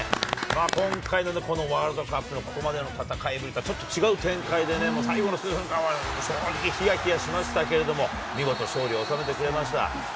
今回のワールドカップのここまでの戦い見ると、ちょっと違う展開でね、最後の数分間は正直、ひやひやしましたけれども、見事勝利を収めてくれました。